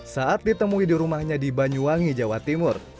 saat ditemui di rumahnya di banyuwangi jawa timur